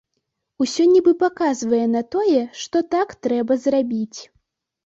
Усё нібы паказвае на тое, што так трэба зрабіць.